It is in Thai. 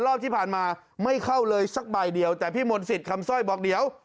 รอบที่ผ่านมาไม่เข้าเลยสักใบเดียวแต่พี่มนต์สิทธิ์คำสร้อยบอกเดี๋ยว